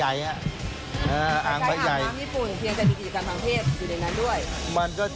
ป้ายค้างอ่างไอ้ดาวน้ำญี่ปุ่นเชียงคนีศรัทธิกรทางเพศอยู่ในนั้นด้วย